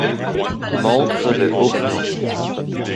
Montre le horion?